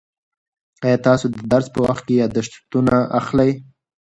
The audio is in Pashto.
آیا تاسو د درس په وخت کې یادښتونه اخلئ؟